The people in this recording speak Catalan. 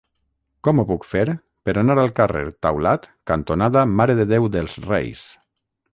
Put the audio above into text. Com ho puc fer per anar al carrer Taulat cantonada Mare de Déu dels Reis?